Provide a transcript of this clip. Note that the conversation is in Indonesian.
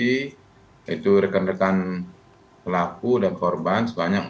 yaitu reken reken pelaku dan korban sebanyak empat orang